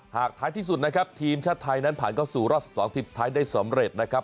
ท้ายที่สุดนะครับทีมชาติไทยนั้นผ่านเข้าสู่รอบ๑๒ทีมสุดท้ายได้สำเร็จนะครับ